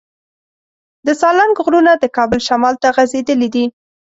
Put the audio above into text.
د سالنګ غرونه د کابل شمال ته غځېدلي دي.